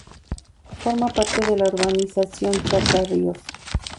Forma parte de la urbanización Chacra Ríos.